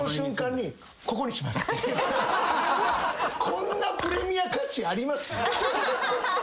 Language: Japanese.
こんなプレミア価値あります！？